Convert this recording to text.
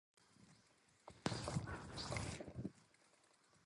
The Chair of National Council is usually drawn from this committee.